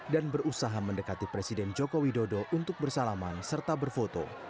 dan berusaha mendekati presiden jokowi dodo untuk bersalaman serta berfoto